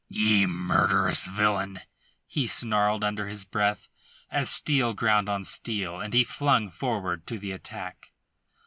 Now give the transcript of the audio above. "Ye murderous villain," he snarled under his breath, as steel ground on steel, and he flung forward to the attack.